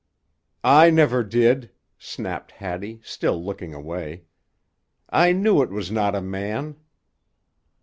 "I never did!" snapped Hattie, still looking away. "I knew it was not a man."